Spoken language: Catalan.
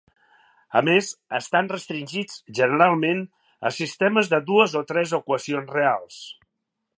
A més estan restringits generalment a sistemes de dues o tres equacions reals.